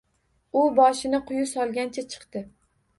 U boshini quyi solgancha chiqdi.